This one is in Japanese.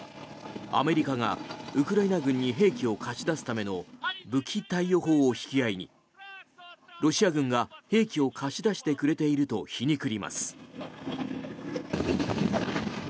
アメリカがウクライナ軍に兵器を貸し出すための武器貸与法を引き合いにロシア軍が兵器を貸し出してくれていると皮肉ります。